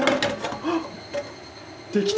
あっ！